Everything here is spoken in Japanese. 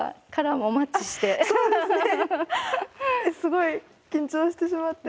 すごい緊張してしまって。